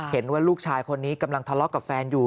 เห็นว่าลูกชายคนนี้กำลังทะเลาะกับแฟนอยู่